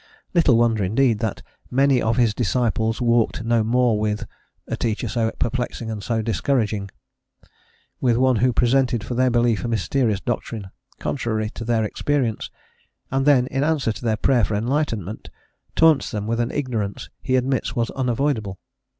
Little wonder indeed that "many of his disciples walked no more with" a teacher so perplexing and so discouraging; with one who presented for their belief a mysterious doctrine, contrary to their experience, and then, in answer to their prayer for enlightenment, taunts them with an ignorance he admits was unavoidable.